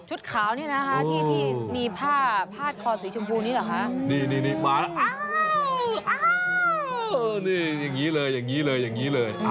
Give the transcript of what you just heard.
ชุดขาวนี่นะฮะที่มีผ้าผ้าคอสีชมพูนี่หรอฮะ